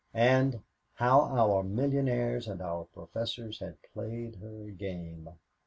And, how our millionaires and our professors had played her game!